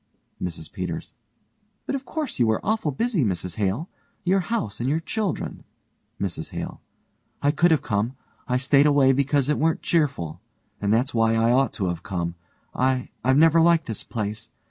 MRS PETERS: But of course you were awful busy, Mrs Hale your house and your children. MRS HALE: I could've come. I stayed away because it weren't cheerful and that's why I ought to have come. I I've never liked this place.